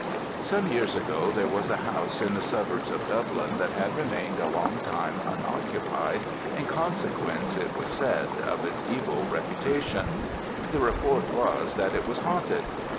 "Some years ago there was a house in the suburbs of Dublin that had remained a long time unoccupied, in consequence, it was said, of its evil reputation the report was, that it was haunted.